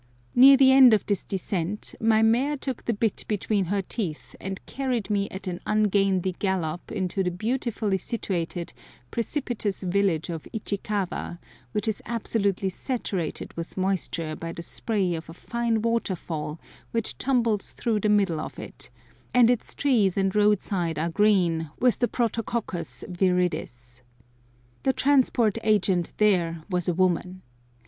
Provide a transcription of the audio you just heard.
Near the end of this descent my mare took the bit between her teeth and carried me at an ungainly gallop into the beautifully situated, precipitous village of Ichikawa, which is absolutely saturated with moisture by the spray of a fine waterfall which tumbles through the middle of it, and its trees and road side are green with the Protococcus viridis. The Transport Agent there was a woman.